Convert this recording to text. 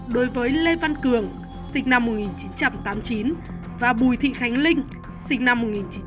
đối với lê văn cường sinh năm một nghìn chín trăm tám mươi chín và bùi thị khánh linh sinh năm một nghìn chín trăm tám mươi